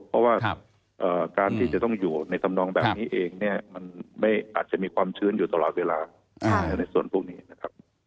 เพราะว่าการที่จะต้องอยู่ในธรรมนองแบบนี้เองเนี่ยมันอาจจะมีความชื้นอยู่ตลอดเวลาในส่วนพวกนี้นะครับ